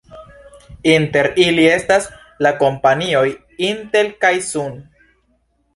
Inter ili estas la kompanioj Intel kaj Sun.